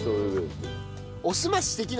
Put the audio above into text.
おすまし的な。